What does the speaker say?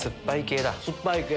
酸っぱい系。